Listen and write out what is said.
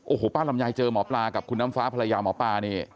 โอ้โหป้าลำไยเจอหมอปลากับคุณน้ำฟ้าภรรยาหมอปลานี่